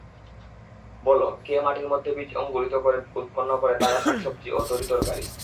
বল, কে মাটির মধ্যে বীজ অংকুরিত করে উৎপন্ন করে তাজা শাক-সবজি ও তরিতরকারি?